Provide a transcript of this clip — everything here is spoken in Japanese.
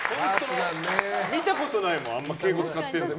見たことないもんあんま敬語使ってるの。